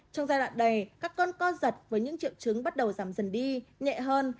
trong giai đoạn này các con con giật với những triệu chứng bắt đầu giảm dần đi nhẹ hơn